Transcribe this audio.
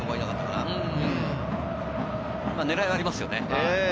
狙いがありますよね。